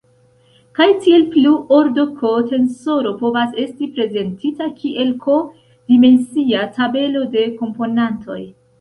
Kaj tiel plu: ordo-"k" tensoro povas esti prezentita kiel "k"-dimensia tabelo de komponantoj.